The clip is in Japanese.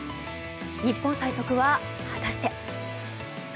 日本最速は果たして？